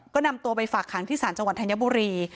ก็นำตัวไปฝากขังที่ศาลจังหวัดธัญบุรี